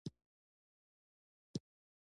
له یوه مذهبه بل ته واوړي